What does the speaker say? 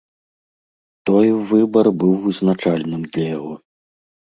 Той выбар быў вызначальным для яго.